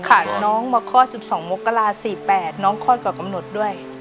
น้องมาคลอด๑๒มกรา๔๘น้องคลอดก่อนกำหนดด้วย